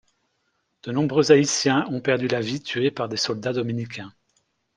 De nombreux Haïtiens ont perdu la vie tués par des soldats dominicains.